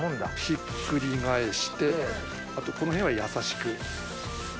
ひっくり返してあとこの辺は優しく。